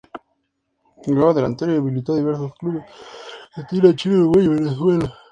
Jugaba de delantero y militó en diversos clubes de Argentina, Chile, Uruguay y Venezuela.